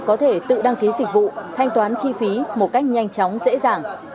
có thể tự đăng ký dịch vụ thanh toán chi phí một cách nhanh chóng dễ dàng